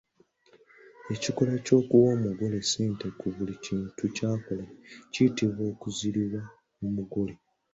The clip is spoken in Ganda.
Ekikolwa eky'okuwa omugole ssente ku buli kintu ky’akola kiyitibwa okuzirula omugole.